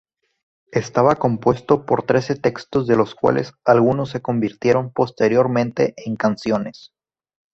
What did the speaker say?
Estaba compuesto por trece textos de los cuales algunos se convirtieron posteriormente en canciones.